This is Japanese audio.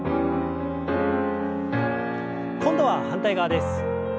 今度は反対側です。